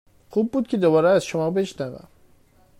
خوب بود که دوباره از شما بشنوم.